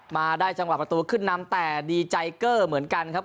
มาได้จังหวะประตูขึ้นนำแต่ดีใจเกอร์เหมือนกันครับ